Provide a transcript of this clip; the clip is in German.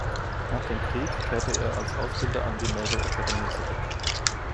Nach dem Krieg kehrte er als Ausbilder an die Naval Academy zurück.